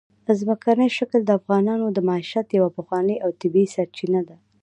ځمکنی شکل د افغانانو د معیشت یوه پخوانۍ او طبیعي سرچینه ده.